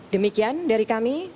demikian dari kami